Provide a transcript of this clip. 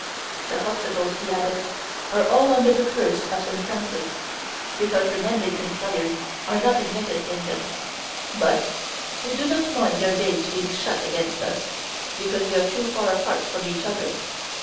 "The hospitals," he added, "are all under the curse of Saint Francis, because the mendicant friars are not admitted in them; but we do not mind their gates being shut against us, because they are too far apart from each other.